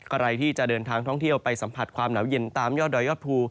ใครที่จะเดินทางท่องเที่ยวไปสัมผัสความหนาวเย็นตามยอดดอยยอดภู